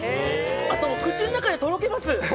あと、口の中でとろけます。